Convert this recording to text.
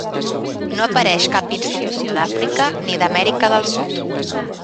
No apareix cap institució d'Àfrica ni d'Amèrica del Sud.